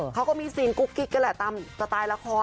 เขาก็มีซีนกุ๊กกิ๊กกันแหละตามสไตล์ละคร